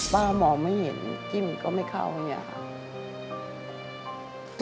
ป้ามองไม่เห็นจิ้มก็ไม่เข้าอย่างนี้ค่ะ